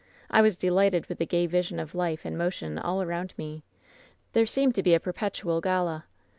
"I was delighted with the gay vision of life and motion all around me ; there seemed to be a perpetual gala.